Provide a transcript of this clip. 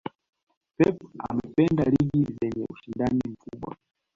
pep anapenda ligi zenye ushindani mkubwa